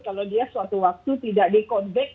kalau dia suatu waktu tidak di conback